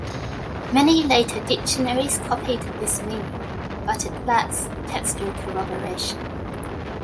Many later dictionaries copied this meaning, but it lacks textual corroboration.